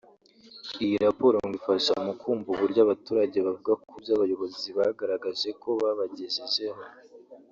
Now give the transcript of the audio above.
Iyo raporo ngo ifasha mu kumva uburyo abaturage bavuga kubyo abayobozi bagaragaje ko babagejejeho